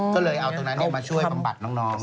ก็เลยเอาตรงนั้นมาช่วยบำบัดน้อง